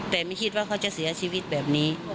แต่ไม่คิดว่าเขาจะเสียชีวิตแบบนี้